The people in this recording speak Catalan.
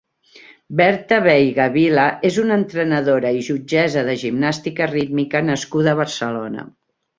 Berta Veiga Vila és una entrenadora i jutgessa de gimnàstica rítmica nascuda a Barcelona.